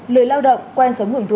lời lao động quan sống của người dân